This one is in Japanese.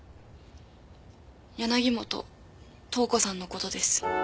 柳本塔子さんの事です。